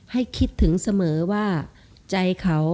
ให้คิดถึงเสมอว่าใจเขา